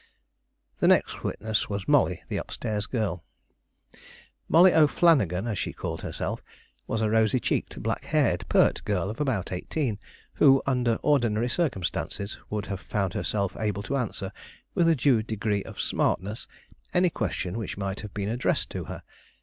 The next witness was Molly, the up stairs girl. Molly O'Flanagan, as she called herself, was a rosy cheeked, black haired, pert girl of about eighteen, who under ordinary circumstances would have found herself able to answer, with a due degree of smartness, any question which might have been addressed to her.